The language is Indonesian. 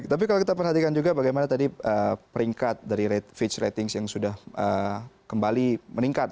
tapi kalau kita perhatikan juga bagaimana tadi peringkat dari rate fitch ratings yang sudah kembali meningkat